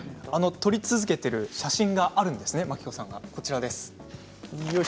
撮り続けている写真があります。